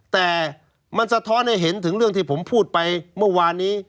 แต่มันสะท้อนให้เห็นถึงเรื่องที่ผมพูดไปเมื่อวานนี้